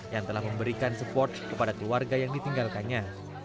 yang telah memberikan support kepada keluarga yang ditinggalkannya